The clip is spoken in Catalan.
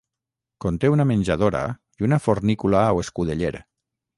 Conté una menjadora i una fornícula o escudeller.